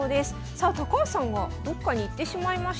さあ高橋さんがどっかに行ってしまいました。